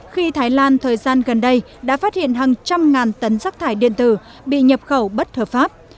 khi thái lan thời gian gần đây đã phát hiện hàng trăm ngàn tấn rác thải điện tử bị nhập khẩu bất hợp pháp